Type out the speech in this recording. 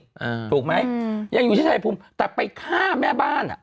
อ่าถูกไหมอืมยังอยู่ที่ชายภูมิแต่ไปฆ่าแม่บ้านอ่ะ